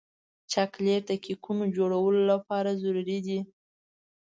چاکلېټ د کیکونو جوړولو لپاره ضروري دی.